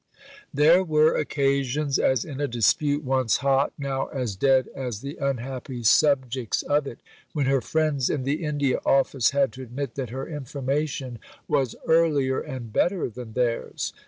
There were occasions as in a dispute, once hot, now as dead as the unhappy subjects of it when her friends in the India Office had to admit that her information was earlier and better than theirs.